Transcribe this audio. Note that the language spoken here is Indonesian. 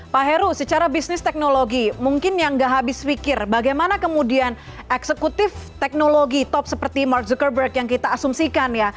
pak heru secara bisnis teknologi mungkin yang gak habis pikir bagaimana kemudian eksekutif teknologi top seperti mark zuckerberg yang kita asumsikan ya